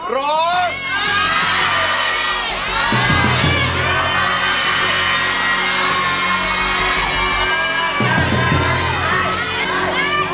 ร้องได้